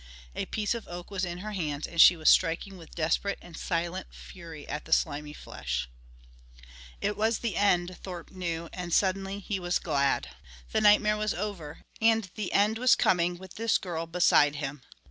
A piece of oak was in her hands, and she was striking with desperate and silent fury at the slimy flesh. It was the end, Thorpe knew, and suddenly he was glad. The nightmare was over, and the end was coming with this girl beside him.